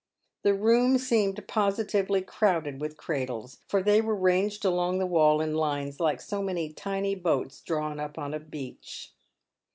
The room seemed positively crowded with cradles, for they were ranged along the wall in lines like so many tiny boats drawn up on a beach.